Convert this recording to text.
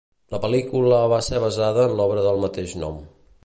La pel·lícula va ser basada en l'obra del mateix nom.